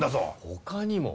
他にも？